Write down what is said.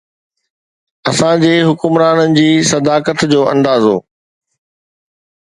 اسان جي حڪمرانن جي صداقت جو اندازو.